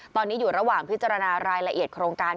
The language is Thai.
ตอนนี้อยู่ระหว่างพิจารณารายละเอียดโครงการ